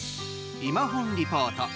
いまほんリポート。